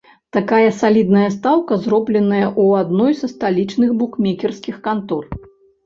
Такая салідная стаўка зробленая ў адной са сталічных букмекерскіх кантор.